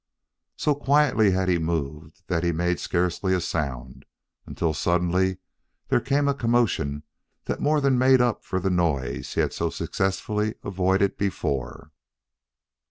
So quietly had he moved that he made scarcely a sound, until suddenly there came a commotion that more than made up for the noise he had so successfully avoided before.